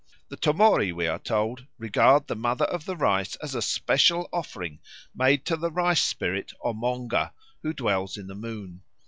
The Tomori, we are told, regard the Mother of the Rice as a special offering made to the rice spirit Omonga, who dwells in the moon.